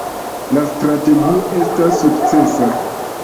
La strategio estas sukcesa.